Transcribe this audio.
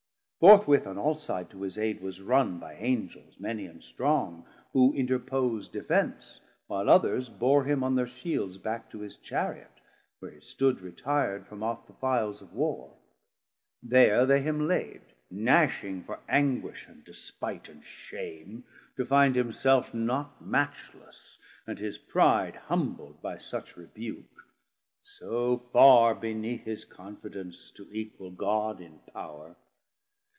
Forthwith on all sides to his aide was run By Angels many and strong, who interpos'd Defence, while others bore him on thir Shields Back to his Chariot; where it stood retir'd From off the files of warr; there they him laid Gnashing for anguish and despite and shame 340 To find himself not matchless, and his pride Humbl'd by such rebuke, so farr beneath His confidence to equal God in power.